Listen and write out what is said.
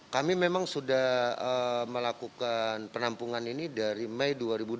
kami memang sudah melakukan penampungan ini dari mei dua ribu dua puluh